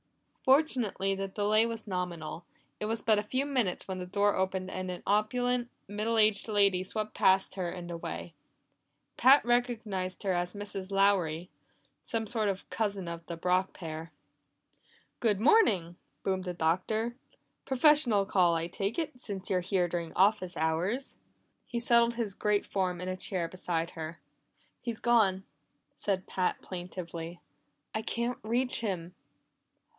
Fortunately, the delay was nominal; it was but a few minutes when the door opened and an opulent, middle aged lady swept past her and away. Pat recognized her as Mrs. Lowry, some sort of cousin of the Brock pair. "Good morning!" boomed the Doctor. "Professional call, I take it, since you're here during office hours." He settled his great form in a chair beside her. "He's gone!" said Pat plaintively. "I can't reach him."